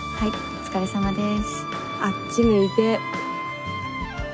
お疲れさまです。